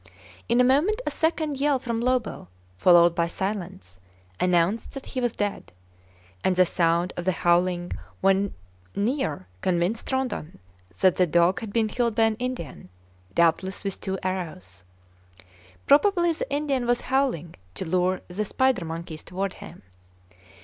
In a moment a second yell from Lobo, followed by silence, announced that he was dead; and the sound of the howling when near convinced Rondon that the dog had been killed by an Indian, doubtless with two arrows. Probably the Indian was howling to lure the spider monkeys toward him.